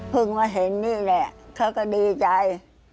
มาเห็นนี่แหละเขาก็ดีใจ